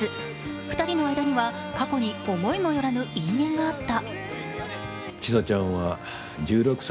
２人の間には、過去に思いも寄らぬ因縁があった。